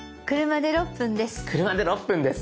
車で６分です。